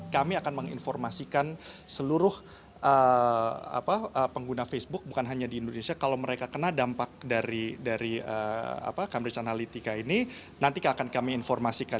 kami akan menginformasikan seluruh pengguna facebook bukan hanya di indonesia kalau mereka kena dampak dari cambridge analytica ini nanti akan kami informasikan